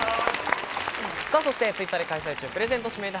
そしてＴｗｉｔｔｅｒで開催中、プレゼント指名手配。